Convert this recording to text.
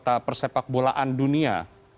peta persepak bolaan dunia